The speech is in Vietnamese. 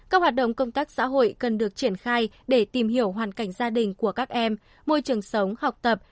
các hoạt động công tác xã hội cần được triển khai để tìm hiểu hoàn cảnh gia đình của các em môi trường sống học tập